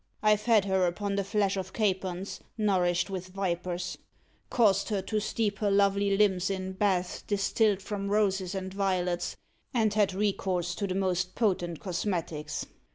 I fed her upon the flesh of capons, nourished with vipers; caused her to steep her lovely limbs in baths distilled from roses and violets; and had recourse to the most potent cosmetics.